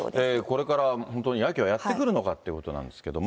これから本当に秋はやって来るのかということなんですけども。